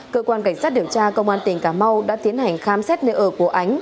cơ quan cảnh sát điều tra công an tỉnh cà mau đã tiến hành khám xét nơi ở của ánh